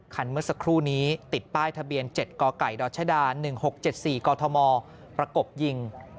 เมื่อสักครู่นี้ติดป้ายทะเบียน๗กกดชด๑๖๗๔กธมประกบยิง